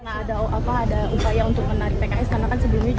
ada upaya untuk menarik pks